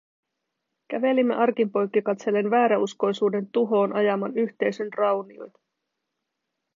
Kävelimme arkin poikki katsellen vääräuskoisuuden tuhoon ajaman yhteisön raunioita.